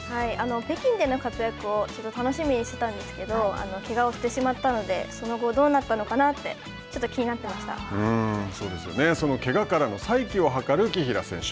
北京での活躍を楽しみにしてたんですけどけがをしてしまったのでその後どうなったのかなってそのけがからの再起を図る紀平選手。